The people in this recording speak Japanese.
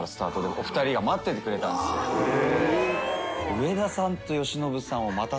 上田さんと由伸さん狩野）